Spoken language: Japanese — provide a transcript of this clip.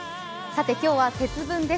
今日は節分です。